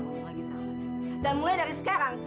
ngomong lagi sama dan mulai dari sekarang